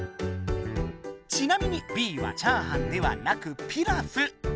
ちなみにＢはチャーハンではなくピラフ。